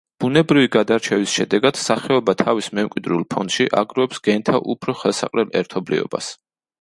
ბუნებრივი გადარჩევის შედეგად სახეობა თავის მემკვიდრულ ფონდში აგროვებს გენთა უფრო ხელსაყრელ ერთობლიობას.